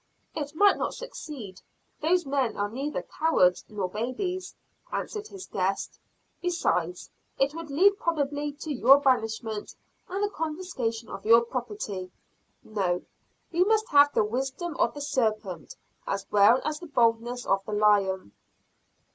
"It might not succeed, those men are neither cowards nor babies," answered his guest. "Besides, it would lead probably to your banishment and the confiscation of your property. No, we must have the wisdom of the serpent, as well as the boldness of the lion."